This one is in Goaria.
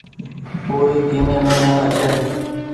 پوري ٽيمي مين نينو ڇي۔